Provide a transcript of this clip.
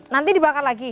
nanti dibakar lagi